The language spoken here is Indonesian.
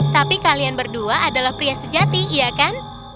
tapi kalian berdua adalah pria sejati iya kan